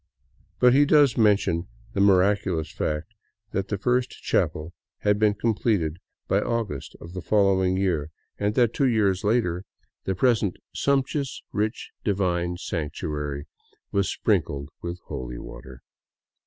But he does mention the miraculous fact that the first chapel had been completed by August of the following year, and that two years later 186 DOWN VOLCANO AVENUE the present " sumptuous, rich, divine " sanctuary was sprinkled with holy water.